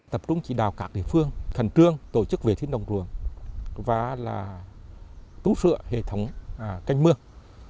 tập trung chỉ đào các địa phương khẩn trương tổ chức về thiết đồng ruộng và tú sửa hệ thống canh mương